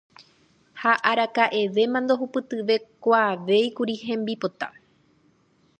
Ha araka'evéma ndohupytykuaavéikuri hembipota.